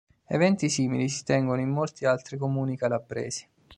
Eventi simili si tengono in molti altri comuni calabresi.